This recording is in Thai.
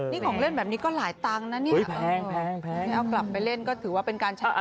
นี่ของเล่นแบบนี้ก็หลายตังค์นะเนี่ยเอากลับไปเล่นก็ถือว่าเป็นการใช้